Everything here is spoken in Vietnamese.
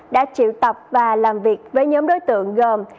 đã triệu tập và làm việc với nhóm đối tượng gồm